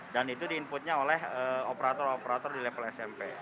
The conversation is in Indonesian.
dan itu di input nya oleh operator operator di level smp